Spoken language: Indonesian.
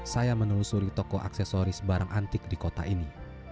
saya menelusuri toko aksesoris barang antik di kota ini